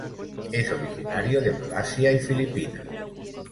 Es originario de Malasia y Filipinas.